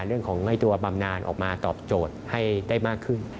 เรื่องของตัวบำนานออกมาตอบโจทย์ให้ได้มากขึ้น